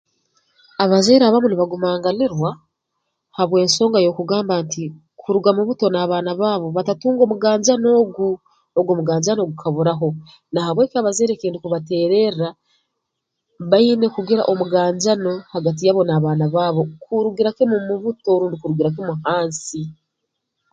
Abazaire abamu nibagumanganirwa habw'ensonga y'okugamba nti kuruga mu buto n'abaana baabo batatunge omuganjano ogu ogu omuganjano gukaburaho na habweki abazaire eki ndukubateererra baine kugira omuganjano hagati yabo n'abaana baabo kurugira kimu mu buto rundi kurugira kimu hansi